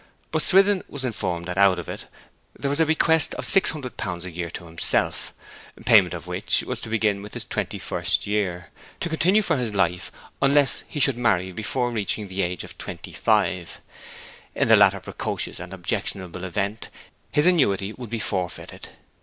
But Swithin was informed that out of it there was a bequest of 600 pounds a year to himself, payment of which was to begin with his twenty first year, and continue for his life, unless he should marry before reaching the age of twenty five. In the latter precocious and objectionable event his annuity would be forfeited.